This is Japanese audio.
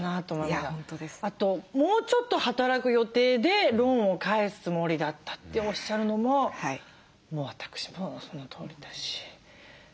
あともうちょっと働く予定でローンを返すつもりだったっておっしゃるのも私もそのとおりだし。